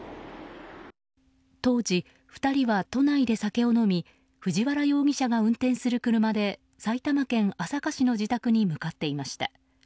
当時、２人は都内で酒を飲み藤原容疑者が運転する車で埼玉県朝霞市の自宅に向かっていました。